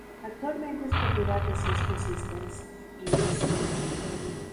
Actualmente es propiedad de Cisco Systems, Inc.